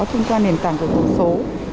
thông quan nền tảng của cửa khẩu số